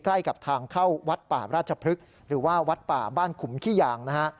ใกล้กับทางเข้าวัดป่าราชพฤกษ์หรือว่าวัดป่าบ้านขุมขี้ยางนะฮะ